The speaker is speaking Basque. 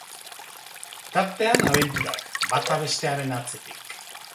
Tartean abenturak, bata bestearen atzetik.